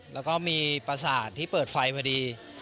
แล้วก็มีประสาทที่เปิดไฟพอดี